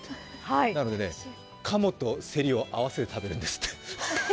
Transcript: なので鴨とセリを合わせて食べるんですって。